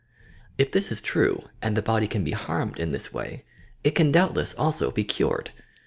If this is true, and the body can be harmed in this way, it can doubtless also be cured.